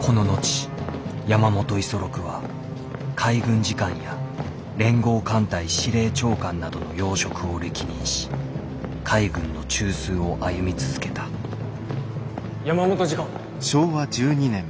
この後山本五十六は海軍次官や連合艦隊司令長官などの要職を歴任し海軍の中枢を歩み続けた山本次官。